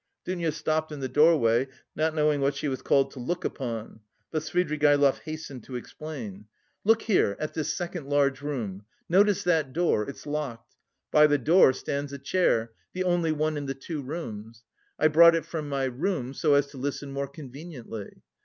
Dounia stopped in the doorway, not knowing what she was called to look upon, but Svidrigaïlov hastened to explain. "Look here, at this second large room. Notice that door, it's locked. By the door stands a chair, the only one in the two rooms. I brought it from my rooms so as to listen more conveniently.